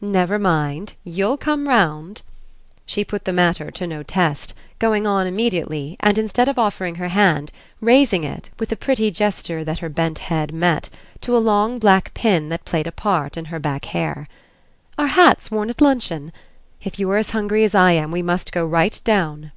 Never mind; you'll come round!" She put the matter to no test, going on immediately and, instead of offering her hand, raising it, with a pretty gesture that her bent head met, to a long black pin that played a part in her back hair. "Are hats worn at luncheon? If you're as hungry as I am we must go right down."